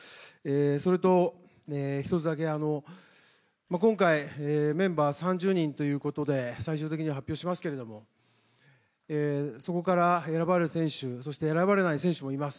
それと、１つだけ今回メンバー３０人ということで最終的には発表しますがそこから選ばれる選手そして選ばれない選手もいます。